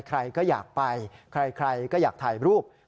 ใครก็อยากไปใครก็อยากถ่ายรูป